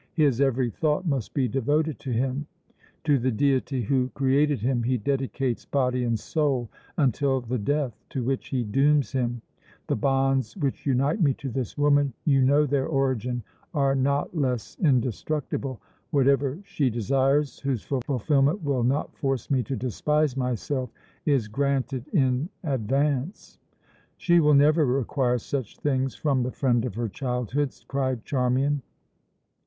His every thought must be devoted to him. To the deity who created him he dedicates body and soul until the death to which he dooms him. The bonds which unite me to this woman you know their origin are not less indestructible. Whatever she desires whose fulfilment will not force me to despise myself is granted in advance." "She will never require such things from the friend of her childhood," cried Charmian.